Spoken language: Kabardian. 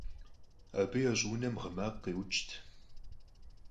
Абы я щӀыунэм гъы макъ къиӏукӏырт.